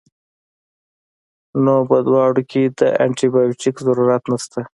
نو پۀ دواړو کښې د انټي بائيوټک ضرورت نشته